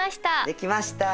できました！